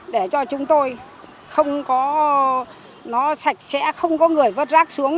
để cho chúng tôi không có nó sạch sẽ không có người vớt rác xuống